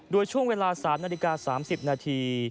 โดยช่วงเวลา๓นาฬิกา๓๐นาที